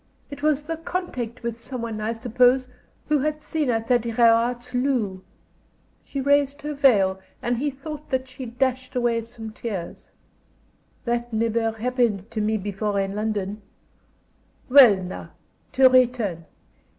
It was the contact with some one, I suppose, who had seen us at Gherardtsloo." She raised her veil, and he thought that she dashed away some tears. "That never happened to me before in London. Well, now, to return.